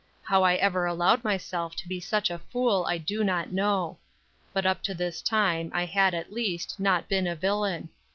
How I ever allowed myself to be such a fool I do not know. But up to this time, I had at least, not been a villain.